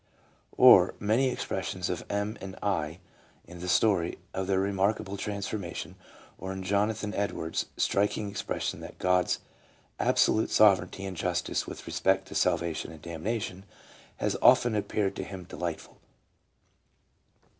or many expressions of M.&nd of I. in the story of their remarka ble transformation ; or in Jonathan Edwards' striking expres sion that God's absolute sovereignty and justice with re spect to salvation and damnation has often appeared to him delightful!